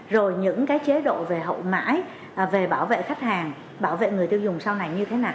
rồi những cái chế độ về hậu mãi về bảo vệ khách hàng bảo vệ người tiêu dùng sau này như thế nào